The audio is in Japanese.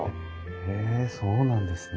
へえそうなんですね。